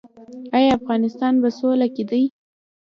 آیا افغانستان په سوله کې دی؟